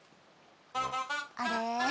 あれ？